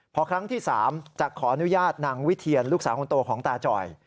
พอครั้งที่๓จะขออนุญาตนางวิเทียนลูกสาวคนโตของตาจ่อย